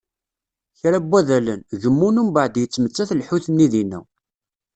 Kra n wadalen, gemmun umbeεed yettmettat lḥut-nni dinna.